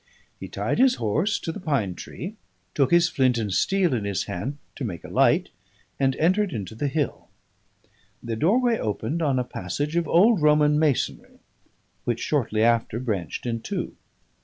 He tied his horse to the pine tree, took his flint and steel in his hand to make a light, and entered into the hill. The doorway opened on a passage of old Roman masonry, which shortly after branched in two.